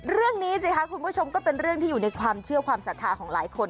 เรื่องนี้สิคะคุณผู้ชมก็เป็นเรื่องที่อยู่ในความเชื่อความศรัทธาของหลายคน